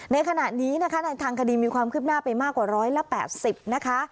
ในขณะนี้นะคะในทางคดีมีความคืบหน้าไปมากกว่า๑๘๐นะคะ